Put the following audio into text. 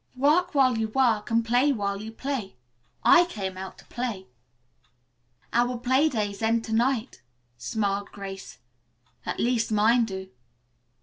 "'Work while you work and play while you play.' I came out to play." "Our play days end to night," smiled Grace. "At least mine do."